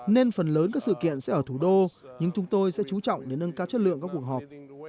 nên phần lớn các sự kiện sẽ ở thủ đô nhưng chúng tôi sẽ chú trọng để nâng cao chất lượng các cuộc họp